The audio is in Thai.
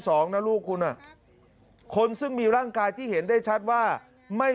สองนะลูกคุณอ่ะคนซึ่งมีร่างกายที่เห็นได้ชัดว่าไม่